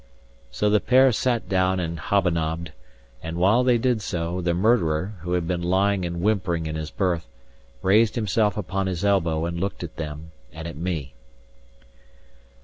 So the pair sat down and hob a nobbed; and while they did so, the murderer, who had been lying and whimpering in his berth, raised himself upon his elbow and looked at them and at me.